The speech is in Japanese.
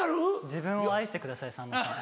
自分を愛してくださいさんまさん。